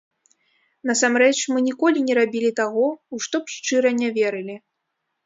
Насамрэч, мы ніколі не рабілі таго, у што б шчыра не верылі.